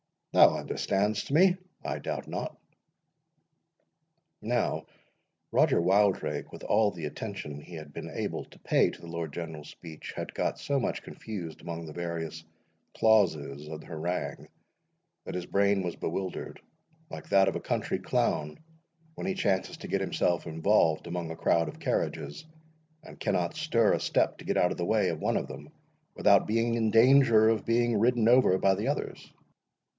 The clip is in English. Thou understandest me, I doubt not?" Now, Roger Wildrake, with all the attention he had been able to pay to the Lord General's speech, had got so much confused among the various clauses of the harangue, that his brain was bewildered, like that of a country clown when he chances to get himself involved among a crowd of carriages, and cannot stir a step to get out of the way of one of them, without being in danger of being ridden over by the others.